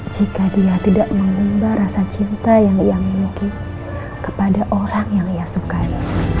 jika dia tidak mengumbar rasa cinta yang ia miliki kepada orang yang ia sukai